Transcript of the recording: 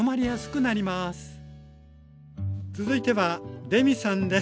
続いてはレミさんです。